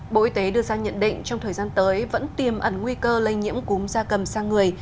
bộ y tế đưa ra nhận định trong thời gian tới vẫn tiềm ẩn nguy cơ lây nhiễm cúm da cầm sang người